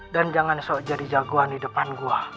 dan jangan sok jadi jagoan di depan gue